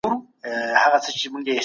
له ډېري مالګي څخه ډډه وکړئ.